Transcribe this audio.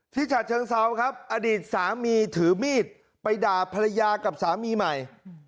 ฉัดเชิงเซาครับอดีตสามีถือมีดไปด่าภรรยากับสามีใหม่